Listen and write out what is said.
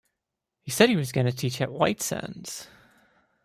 He he said was going to teach at White Sands.